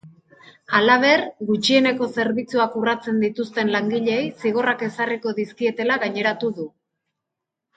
Halaber, gutxieneko zerbitzuak urratzen dituzten langileei zigorrak ezarriko dizkietela gaineratu du.